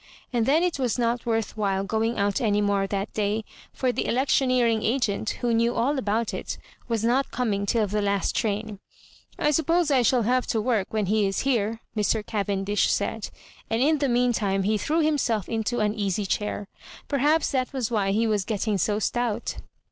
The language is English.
And then it was not worth while going out any more that day — for the electioneering agent, who knew all about it, was not coming till the last train. " I suppose I shall have to work when he is here,*' Mr. Cavendish flaid. And in the mean time he threw himself into an easy chair. Per» haps that was why he was getting so stout.